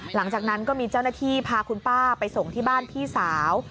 หลังจากนั้นก็มีเจ้าหน้าที่พาคุณป้าไปส่งที่บ้านพี่สาว